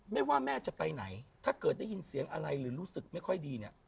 แม่ว่าแม่จะไปไหนถ้าเกิดได้ยินเสียงอะไรหรือรู้สึกไม่ค่อยดีเนี่ย